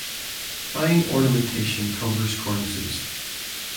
Fine ornamentation covers cornices.